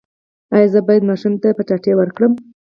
ایا زه باید ماشوم ته کچالو ورکړم؟